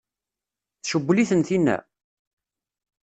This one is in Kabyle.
Tcewwel-iten tinna?